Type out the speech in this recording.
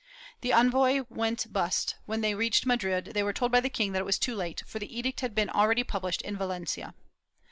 The envoys went but, when they reached Madrid, they were told by the king that it was too late, for the edict had been already published in Valencia.